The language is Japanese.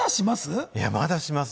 まだします？